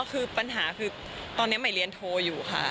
คือปัญหาคือตอนนี้ใหม่เรียนโทรอยู่ค่ะ